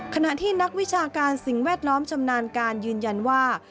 ขณะที่นักวิชาการสิ่งแวดล้อมชำนาญการยืนยันว่า